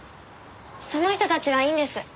その人たちはいいんです。